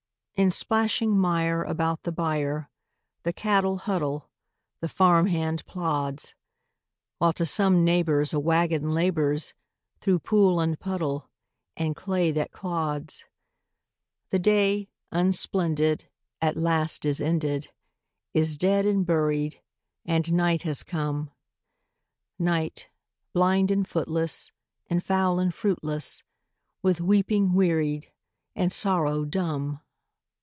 In splashing mire about the byre The cattle huddle, the farm hand plods; While to some neighbor's a wagon labors Through pool and puddle and clay that clods. The day, unsplendid, at last is ended, Is dead and buried, and night has come; Night, blind and footless, and foul and fruitless, With weeping wearied, and sorrow dumb.